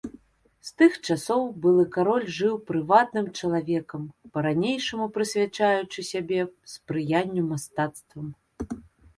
З тых часоў былы кароль жыў прыватным чалавекам, па-ранейшаму прысвячаючы сябе спрыянню мастацтвам.